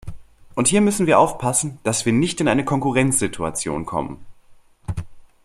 Und hier müssen wir aufpassen, dass wir nicht in eine Konkurrenzsituation kommen.